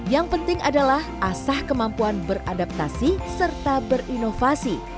yang penting adalah asah kemampuan beradaptasi serta berinovasi